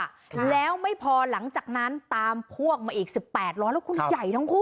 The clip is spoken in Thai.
ค่ะแล้วไม่พอหลังจากนั้นตามพวกมาอีกสิบแปดล้อแล้วคุณใหญ่ทั้งคู่